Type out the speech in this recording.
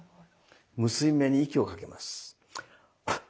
結び目に息をかけます。